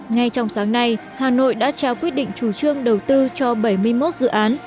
ngay trong sáng nay hà nội đã trao quyết định chủ trương đầu tư cho bảy mươi một dự án